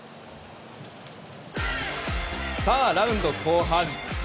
さあ、ラウンド後半。